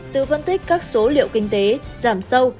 từ phân tích các số liệu kinh tế giảm sâu